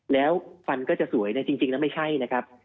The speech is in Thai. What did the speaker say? แล้วฟันก็จะสวยจริงแล้วไม่ใช่นะครับ